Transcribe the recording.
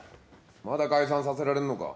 まだ解散させられんのか。